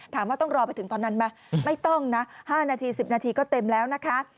ต้องรอไปถึงตอนนั้นไหมไม่ต้องนะ๕นาที๑๐นาทีก็เต็มแล้วนะคะ